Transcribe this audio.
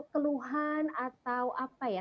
keluhan atau apa ya